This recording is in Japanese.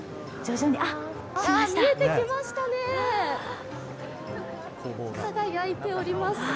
見えてきましたね、輝いております。